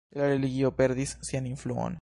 La religio perdis sian influon.